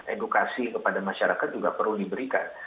edukasi kepada masyarakat juga perlu diberikan